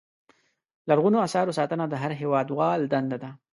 لرغونو اثارو ساتنه د هر هېوادوال دنده ده.